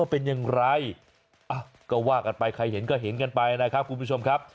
เป็นอย่างไรก็ว่ากันไปใครเห็นก็เห็นกันไปนะครับคุณผู้ชมครับ